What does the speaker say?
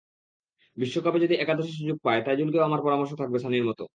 বিশ্বকাপে যদি একাদশে সুযোগ পায়, তাইজুলকেও আমার পরামর্শ থাকবে সানির মতো।